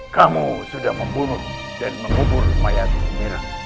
kamu sudah membunuh dan mengubur mayat gembira